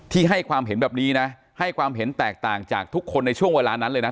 ให้ความเห็นแบบนี้นะให้ความเห็นแตกต่างจากทุกคนในช่วงเวลานั้นเลยนะ